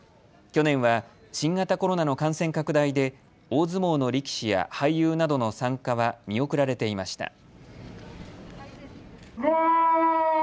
去年は新型コロナの感染拡大で大相撲の力士や俳優などの参加は見送られていました。